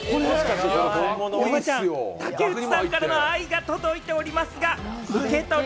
山ちゃん、竹内さんからの愛が届いておりますが、受け取る？